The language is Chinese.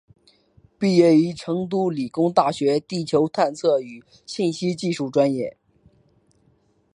毕业于成都理工大学地球探测与信息技术专业。